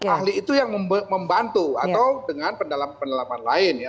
ahli itu yang membantu atau dengan pendalaman pendalaman lain ya